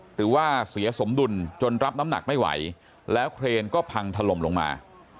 หรือว่าเสียสมดุลจนรับน้ำหนักไม่ไหวแล้วเครนก็พังถล่มลงมา